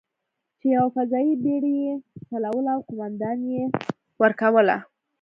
چې یوه فضايي بېړۍ یې چلوله او قومانده یې ورکوله.